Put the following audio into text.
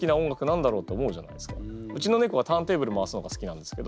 うちの猫はターンテーブル回すのが好きなんですけど。